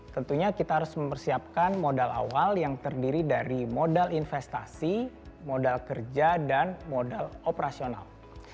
tentunya kita harus mempersiapkan modal awal yang terdiri dari modal investasi modal kerja dan modal operasional